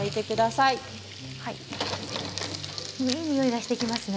いいにおいがしてきますね。